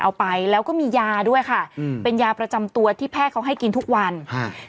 เอาไปแล้วก็มียาด้วยค่ะอืมเป็นยาประจำตัวที่แพทย์เขาให้กินทุกวันฮะ